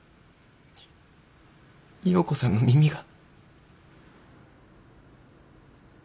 葉子さんの耳が。